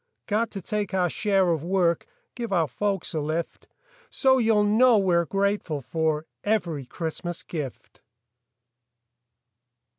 Got to take our share of work, Give our folks a lift. So you'll know we're grateful for Every Christmas gift.